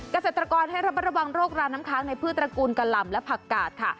เกษตรกรให้ระมัดระวังโรคราน้ำค้างในพืชตระกูลกะหล่ำและผักกาดค่ะ